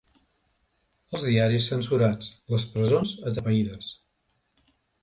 Els diaris censurats, les presons atapeïdes